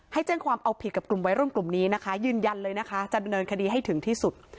แจ้งความเอาผิดกับกลุ่มวัยรุ่นกลุ่มนี้นะคะยืนยันเลยนะคะจะดำเนินคดีให้ถึงที่สุด